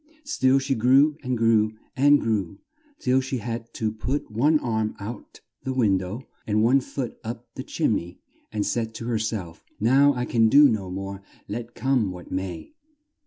Still she grew and grew and grew till she had to put one arm out the window and one foot up the chim ney and said to her self, "Now I can do no more, let come what may."